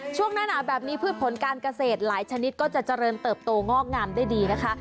ช่วงหน้าหนาวแบบนี้พืชผลการเกษตรหลายชนิดก็จะเจริญเติบโตงอกงามได้ดีนะคะ